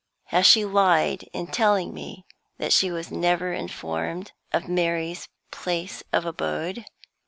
Has she lied in telling me that she was never informed of Mary's place of abode?"